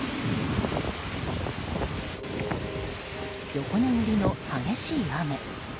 横殴りの激しい雨。